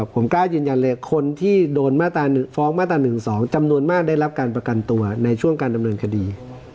ผมกล้ายืนยันเลยคนที่โดนฟ้องมาตรา๑๒จำนวนมากได้รับการประกันตัวในช่วงการดำเนินคดี